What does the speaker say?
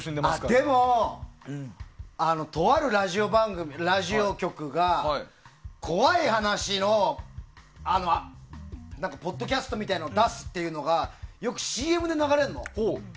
でも、とあるラジオ局が怖い話のポッドキャストみたいなのを出すっていうのがよくＣＭで流れるの。